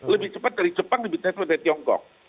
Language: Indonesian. lebih cepat dari jepang lebih cepat dari tiongkok